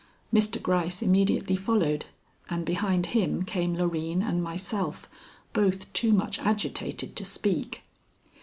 Mr. Gryce immediately followed, and behind him came Loreen and myself, both too much agitated to speak.